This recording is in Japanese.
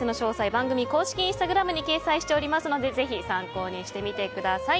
番組公式インスタグラム掲載しておりますのでぜひ参考にしてみてください。